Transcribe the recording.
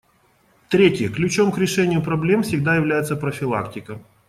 Третье: ключом к решению проблем всегда является профилактика.